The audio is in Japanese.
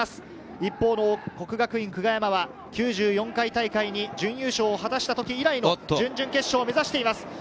一方の國學院久我山は９４回大会に準優勝を果たした時以来の準々決勝を目指しています。